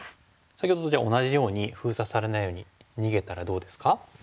先ほどと同じように封鎖されないように逃げたらどうですか？